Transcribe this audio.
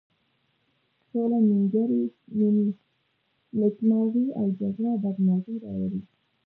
سوله نېکمرغي او جگړه بدمرغي راولي.